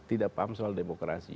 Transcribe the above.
tidak paham soal demokrasi